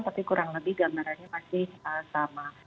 tapi kurang lebih gambarannya masih sama